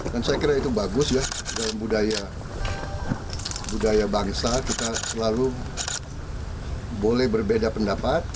dan saya kira itu bagus ya dalam budaya budaya bangsa kita selalu boleh berbeda pendapat